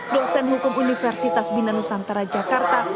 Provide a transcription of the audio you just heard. dosen hukum universitas bina nusantara jakarta